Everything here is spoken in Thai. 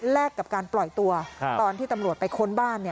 กับการปล่อยตัวตอนที่ตำรวจไปค้นบ้าน